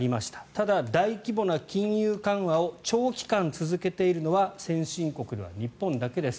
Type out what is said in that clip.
ただ、大規模な金融緩和を長期間続けているのは先進国では日本だけです。